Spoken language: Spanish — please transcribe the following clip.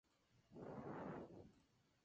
Todas las personas mayores han sido niños antes.